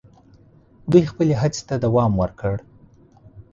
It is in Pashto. دوی خپلي هڅي ته دوم ورکړ.